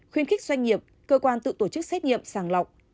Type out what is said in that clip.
khuyến khích doanh nghiệp cơ quan tự tổ chức xét nghiệm sàng lọc